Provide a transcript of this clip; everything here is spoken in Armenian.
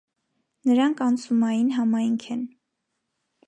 Նրանք անցումային համայնք են։